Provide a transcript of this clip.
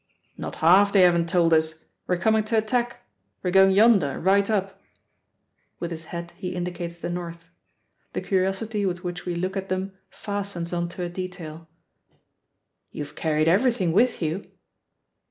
"Not half they haven't told us. We're coming to attack. We're going yonder, right up." With his head he indicates the north. The curiosity with which we look at them fastens on to a detail. "You've carried everything with you?"